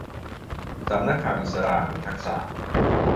สำนักข่าวอิศรามีทักษะ